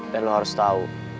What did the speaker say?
dan lu harus tau